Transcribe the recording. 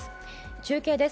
中継です。